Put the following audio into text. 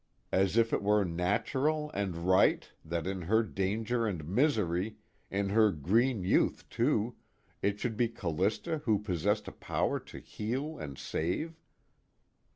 As if it were natural, and right, that in her danger and misery, in her green youth too, it should be Callista who possessed a power to heal and save?